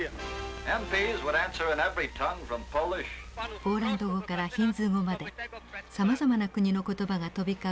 ポーランド語からヒンズー語までさまざまな国の言葉が飛び交う